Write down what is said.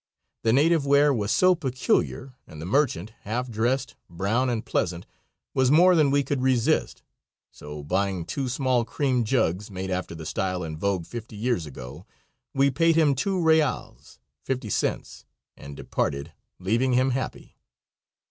The native ware was so peculiar and the "merchant" half dressed, brown and pleasant was more than we could resist, so buying two small cream jugs, made after the style in vogue fifty years ago, we paid him two reals (fifty cents) and departed, leaving him happy.